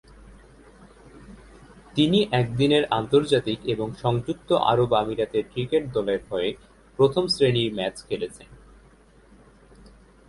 তিনি একদিনের আন্তর্জাতিক এবং সংযুক্ত আরব আমিরাতের ক্রিকেট দলের হয়ে প্রথম শ্রেণির ম্যাচ খেলেছেন।